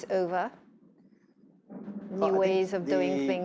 ada cara lain untuk melakukan hal lain